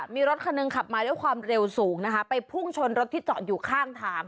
มีรถคันหนึ่งขับมาด้วยความเร็วสูงนะคะไปพุ่งชนรถที่จอดอยู่ข้างทาง